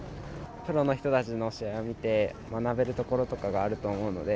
プロの人たちの試合を見て、学べるところとかがあると思うので。